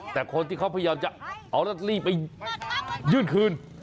แต่คนที่เขาพยายามจะเอาลอตเตอรี่ไปยื่นคืน